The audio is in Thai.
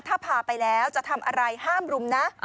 ถ้าพาไปแล้วจะทำอะไรห้ามรุมนะ